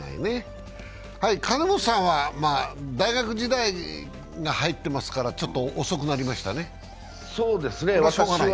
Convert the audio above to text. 金本さんは大学時代が入ってますからちょっと遅くなりましたね、しかたないね。